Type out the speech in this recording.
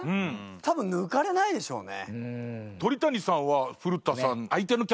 多分抜かれないでしょうね。